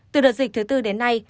từ đợt dịch thứ bốn đến nay